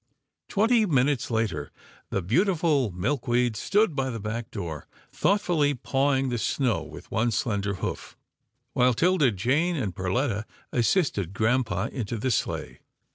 Twenty minutes later, the beautiful Milkweed stood by the back door, thoughtfully pawing the snow with one slender hoof, while 'Tilda Jane and Perletta assisted grampa into the sleigh.